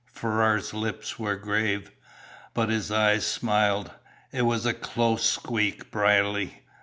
Ferrars' lips were grave, but his eyes smiled. "It was a close squeak, Brierly.